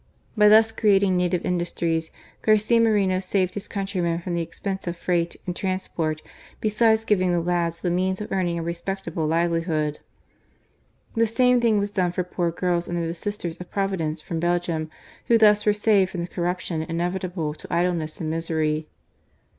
By thus creating native industries, Garcia Moreno saved his countr^Tnen from the expense of freight and transport, besides giving the lads the means of earning a respectable livelihood. The same thing was done for poor girls under the Sisters of Providence from Belgium, who thus were saved from the corruption inevitable to idleness and misery.